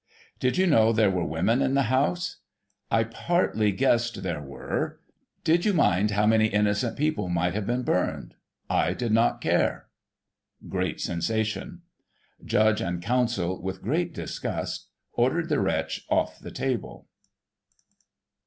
Did you know there were women in the house ?— I partly guessed there were. Did you mind how many innocent people might have been burned ?— I did not care. (Great sensation.) Judge and Counsel, with great disgust, ordered the wretch off the table.